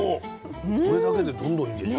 これだけでどんどんいけちゃう。